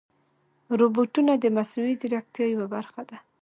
روبوټونه د مصنوعي ځیرکتیا یوه برخه ده.